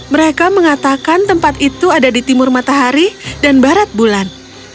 mereka mengatakan tempat itu ada di timur matahari dan barat bulan